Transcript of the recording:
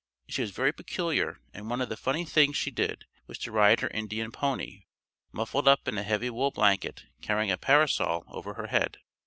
She was very peculiar and one of the funny things she did was to ride her Indian pony, muffled up in a heavy wool blanket carrying a parasol over her head.